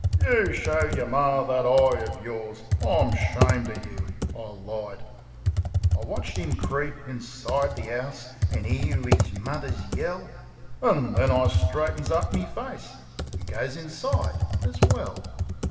"You show yer Mar that eye uv yours. I'm 'shamed uv you!" I lied. I watch 'im creep inside the 'ouse, an' 'ear 'is mother's yell. An' then I straightens up me face an' goes inside as well.